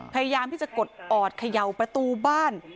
พยายามที่จะกดออดเขย่าประตูบ้าน